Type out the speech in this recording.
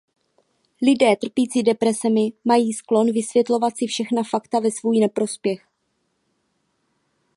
Lidé trpící depresemi mají sklon vysvětlovat si všechna fakta ve svůj neprospěch.